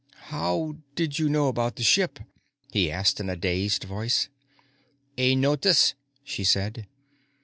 "How did you know about the ship?" he asked in a dazed voice. "A notice," she said.